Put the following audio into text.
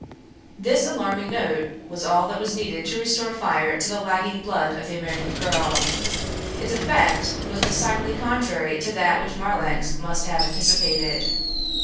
This alarming note was all that was needed to restore fire to the lagging blood of the American girl. Its effect was decidedly contrary to that which Marlanx must have anticipated.